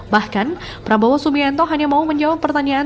bahkan prabowo subianto hanya mau menjawab pertanyaan